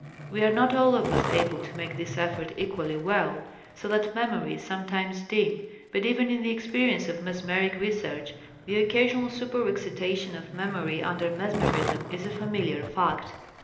We are not all of us able to make this effort equally well, so that memory is sometimes dim, but even in the experience of mesmeric research, the occasional super excitation of memory under mesmerism is a familiar fact.